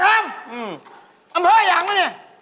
เอ้อปุ๊มเพอร์วาปี